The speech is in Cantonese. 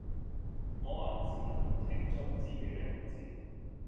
我還是能聽出自己的名字